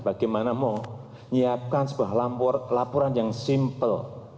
bagaimana mau nyiapkan sebuah laporan yang simpel